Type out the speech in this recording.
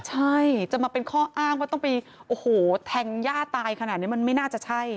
ใช่จะมาเป็นข้ออ้างว่าต้องไปโอ้โหแทงย่าตายขนาดนี้มันไม่น่าจะใช่